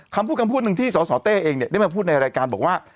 คำพูดคำพูดหนึ่งที่สสเต้เองเนี่ยได้มาพูดในรายการบอกว่า